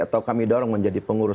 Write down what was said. atau kami dorong menjadi pengurus